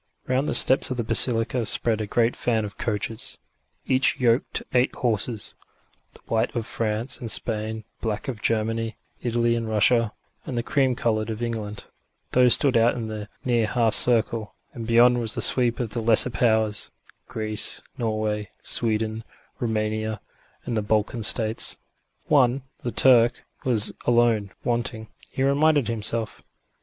Round the steps of the basilica spread a great fan of coaches, each yoked to eight horses the white of France and Spain, the black of Germany, Italy and Russia, and the cream coloured of England. Those stood out in the near half circle, and beyond was the sweep of the lesser powers: Greece, Norway, Sweden, Roumania and the Balkan States. One, the Turk, was alone wanting, he reminded himself.